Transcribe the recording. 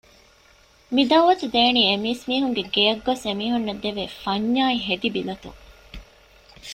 މި ދަޢުވަތު ދޭނީ އެ މީސްމީހުންގެ ގެޔަށް ގޮސް އެ މީހުންނަށް ދެވޭ ފަންޏާއި ހެދިބިލަތުން